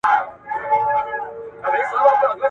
دا خواړه له هغو تازه دي؟